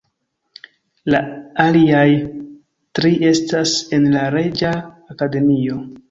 La aliaj tri estas en la Reĝa Akademio.